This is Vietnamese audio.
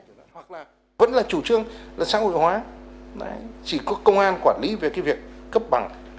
hoặc là vẫn là chủ trương là xã hội hóa chỉ có công an quản lý về cái việc cấp bằng